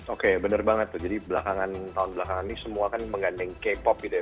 oke bener banget tuh jadi tahun belakangan ini semua kan menggandeng k pop gitu ya